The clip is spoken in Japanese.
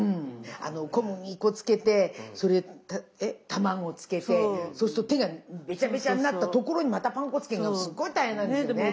あの小麦粉つけてそれで卵つけてそうすると手がベチャベチャになったところにまたパン粉つけるのすっごい大変なんですよね。